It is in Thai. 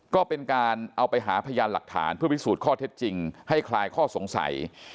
ก็เป็นการเอาไปหาพยานหลักฐานเพื่อพิสูจน์ข้อเท็จจริงให้คลายข้อสงสัย